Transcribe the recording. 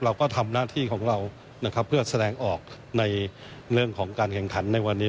เราก็ทำหน้าที่ของเรานะครับเพื่อแสดงออกในเรื่องของการแข่งขันในวันนี้